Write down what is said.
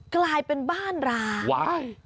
กลายเป็นบ้านร้าย